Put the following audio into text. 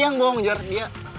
dia yang bohong jer dia